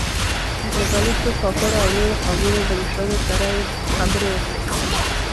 له بلوڅو، کاکړو او د نورو قومونو له مشرانو سره يې خبرې وکړې.